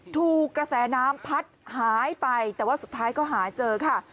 ถูกกระแสน้ำพัดหายไปแต่ว่าสุดท้ายก็หาเจอค่ะ